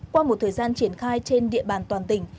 qua một thời gian triển khai trên địa bàn toàn tỉnh